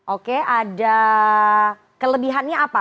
oke ada kelebihannya apa